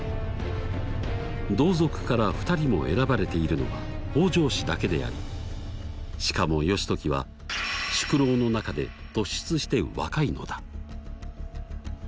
同族から２人も選ばれているのは北条氏だけでありしかも義時は宿老の中で突出して若いのだ。